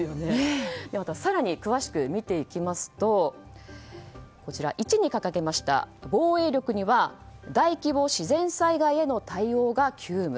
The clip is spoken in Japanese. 更に詳しく見ていきますと１に掲げました防衛力には大規模自然災害への対応が急務。